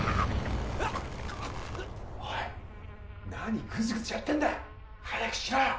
おい何グズグズやってんだ早くしろよ！